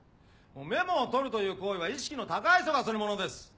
メモを取るという行為は意識の高い人がするものです。